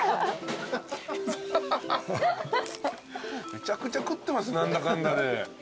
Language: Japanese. めちゃくちゃ食ってます何だかんだで。